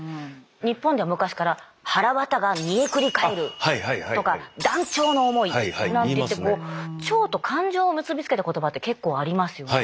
日本では昔から「腸が煮えくり返る」とか「断腸の思い」なんていってこう腸と感情を結び付けた言葉って結構ありますよね。